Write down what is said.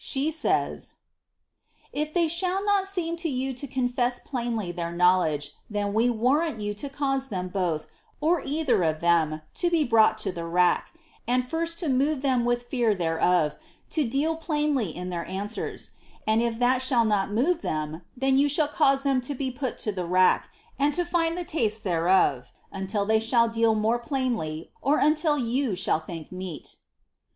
She says :— '^Ir they shall not seem to you to confess plainly their knowledge, then we vtmnt you to cause them both, or either of them, to be brought to the rack ; u>d flnt fo move them with fear thereof, to deal plainly in their ansM ers; and if that shall not move them, then you shall caufio them to be put to the rack, ••dto find the tattt thereof^ until they shall deal more plainly, or until you hhall iliink meet.'